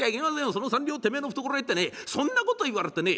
その三両てめえの懐へってねそんなこと言われてね